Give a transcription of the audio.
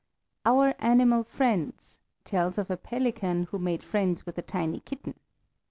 "Our Animal Friends" tells of a pelican who made friends with a tiny kitten.